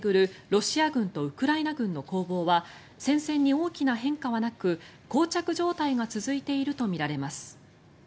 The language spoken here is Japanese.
ロシア軍とウクライナ軍の攻防は戦線に大きな変化はなくこう着状態が続いているとみられます。